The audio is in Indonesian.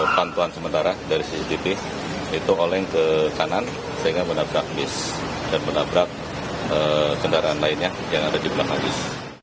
bantuan sementara dari cctv itu oleng ke kanan sehingga menabrak bis dan menabrak kendaraan lainnya yang ada di belakang bus